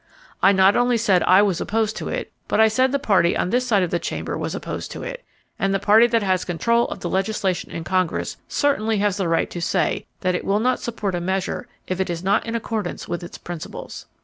. I not only said I was opposed to it, but I said the Party on this side of the Chamber was opposed to it, and the Party that has control of the legislation in Congress certainly has the right to say that it will not support a measure if it is not in accordance with its principles."